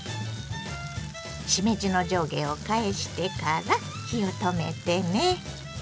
しめじの上下を返してから火を止めてね。